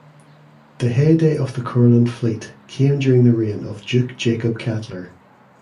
The heyday of the Courland fleet came during the reign of Duke Jacob Kettler.